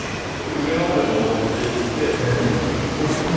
上までのぼっていって下りてくる。